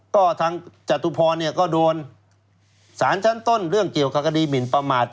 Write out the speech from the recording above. ก็ทางจตุพรเนี่ยก็โดนสารชั้นต้นเรื่องเกี่ยวกับคดีหมินประมาท